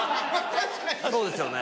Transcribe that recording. そうですよね。